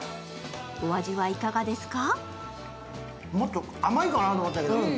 お味はいかがですか？